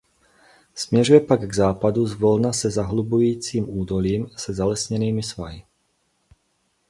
Směřuje pak k západu zvolna se zahlubujícím údolím se zalesněnými svahy.